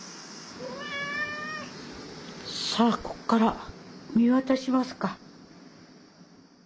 さあここから見渡しますか。